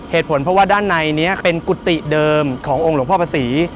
เหตุผลเพราะว่าด้านในนี้เป็นกุฏิเดิมขององค์หลวงพ่อภาษี